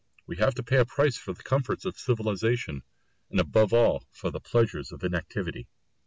We have to pay a price for the comforts of civilisation, and above all for the pleasures of inactivity.